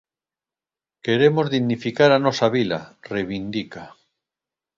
"Queremos dignificar a nosa vila", reivindica.